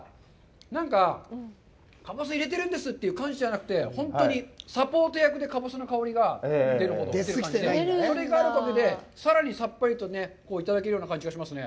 なんか、かぼす入れてるんですという感じじゃなくて、本当にサポート役でかぼすの香りが出るという感じで、それがあるおかげでさらにさっぱりといただけるような感じがしますね。